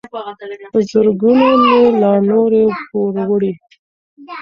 په زرګونو مي لا نور یې پوروړی